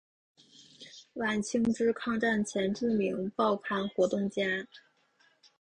晚清至抗战前著名报刊活动家。